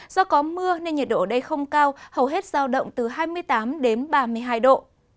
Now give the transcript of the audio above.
do có mưa nên nhiệt độ ở đây không cao hầu hết giao động từ hai mươi tám đến ba mươi hai độ